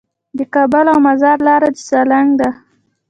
د کابل او مزار لاره د سالنګ ده